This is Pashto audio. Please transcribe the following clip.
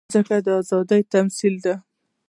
مځکه د ازادۍ تمثیل ده.